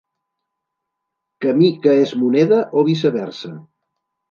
Camí que és moneda, o viceversa.